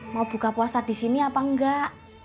mau buka puasa disini apa enggak